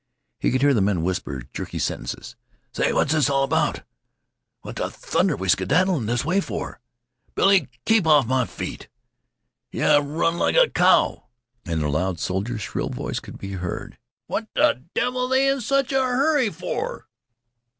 He could hear the men whisper jerky sentences: "Say what's all this about?" "What th' thunder we skedaddlin' this way fer?" "Billie keep off m' feet. Yeh run like a cow." And the loud soldier's shrill voice could be heard: "What th' devil they in sich a hurry for?"